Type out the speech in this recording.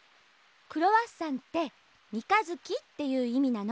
クロワッサンって三日月っていういみなの。